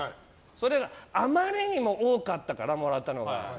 それがあまりにも多かったからもらったのが。